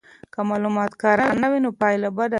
که معلومات کره نه وي نو پایله بده ده.